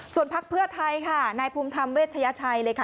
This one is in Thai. ส่วนพักเพื่อไทยค่ะนายภูมิธรรมเวชยชัยเลยค่ะ